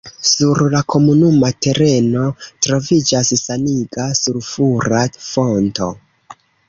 Sur la komunuma tereno troviĝas saniga sulfura fonto.